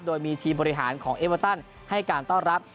โดยมีทีมบริหารของเอเวอร์ตันให้การต้อนรับ